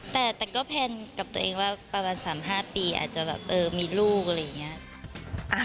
แต่ก็แพลนกับตัวเองว่าประมาณ๓๕ปีอาจจะแบบเออมีลูกอะไรอย่างนี้